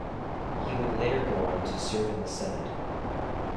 He would later go on to serve in the Senate.